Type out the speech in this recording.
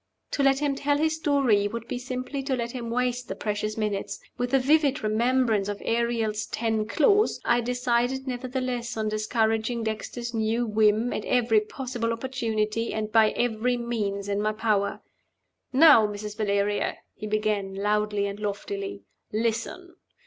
To let him tell his story would be simply to let him waste the precious minutes. With a vivid remembrance of Ariel's "ten claws," I decided, nevertheless on discouraging Dexter's new whim at every possible opportunity and by every means in my power. "Now, Mrs. Valeria," he began, loudly and loftily, "listen.